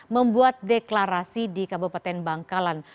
membuat deklarasi di kabupaten bangkalan